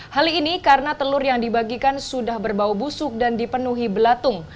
hal ini karena telur yang dibagikan sudah berbau busuk dan dipenuhi belatung